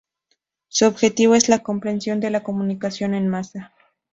Su objetivo es la comprensión de la comunicación en masa.